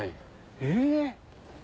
え！